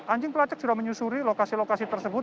anjing pelacak sudah menyusuri lokasi lokasi tersebut